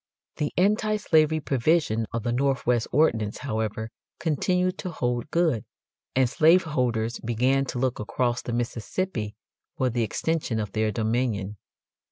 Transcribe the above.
The anti slavery provision of the Northwest Ordinance, however, continued to hold good, and slave holders began to look across the Mississippi for the extension of their dominion.